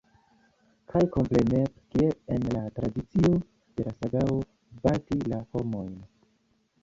Kaj kompreneble, kiel en la tradicio de la sagao, bati la homojn.